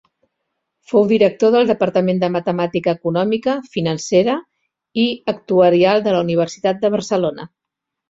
Fou Director del Departament de Matemàtica Econòmica, Financera i Actuarial de la Universitat de Barcelona.